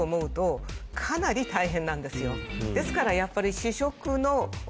ですからやっぱり。